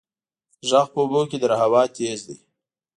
غږ په اوبو کې تر هوا تېز دی.